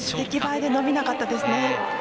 出来栄えで伸びなかったですね。